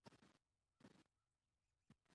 دا ژورنال په اتلس سوه اووه نوي کې پیل شو.